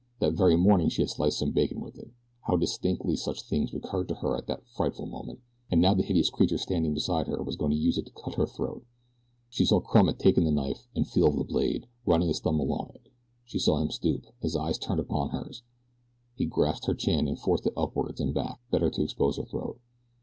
That very morning she had sliced some bacon with it. How distinctly such little things recurred to her at this frightful moment. And now the hideous creature standing beside her was going to use it to cut her throat. She saw Crumb take the knife and feel of the blade, running his thumb along it. She saw him stoop, his eyes turned down upon hers. He grasped her chin and forced it upward and back, the better to expose her throat.